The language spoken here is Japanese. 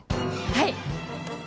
はい！